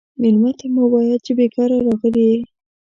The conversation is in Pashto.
مېلمه ته مه وایه چې بیکاره راغلی یې.